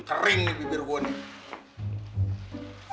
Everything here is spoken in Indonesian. kering nih bibir gue nih